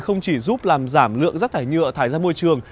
không chỉ giúp làm giảm lượng rác thải nhựa thải ra môi trường